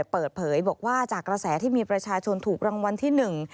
เปิดเผยบอกว่าจากกระแสที่มีประชาชนถูกรางวัลที่หนึ่ง